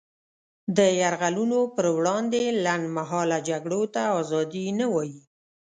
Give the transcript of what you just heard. د یرغلونو پر وړاندې لنډمهاله جګړو ته ازادي نه وايي.